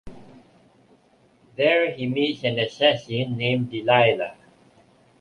There he meets an assassin named Delilah.